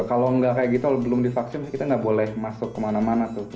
kalau gak kayak gitu kalau belum di vaksin kita gak boleh masuk kemana mana tuh